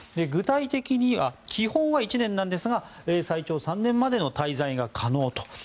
具体的には基本は１年なんですが最長３年までの滞在が可能と。